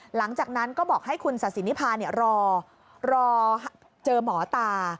หลังจากนั้นก็บอกให้คุณศาสินิพารอเจอหมอตา